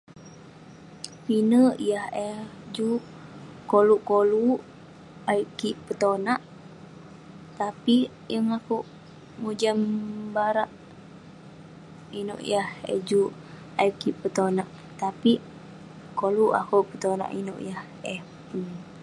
pinek yah eh juk koluk koluk ayuk kik petonak tapik yeng akouk mojam barak..inouk yah eh juk ayuk kik petonak tapik koluk akouk petonak inouk yah eh pun